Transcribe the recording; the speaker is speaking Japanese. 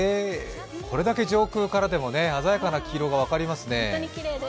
これだけ上空からでも鮮やかな黄色が分かりますね。